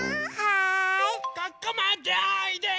ここまでおいで！